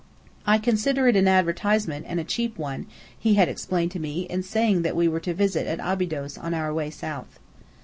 "I consider it an advertisement, and a cheap one," he had explained to me, in saying that we were to visit at Abydos on our way south.